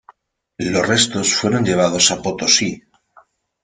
Los restos fueron llevados a Potosí.